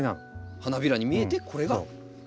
花びらに見えてこれが単独の花。